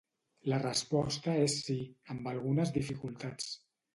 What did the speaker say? La resposta és sí, amb algunes dificultats.